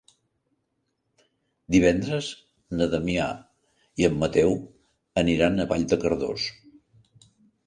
Divendres na Damià i en Mateu aniran a Vall de Cardós.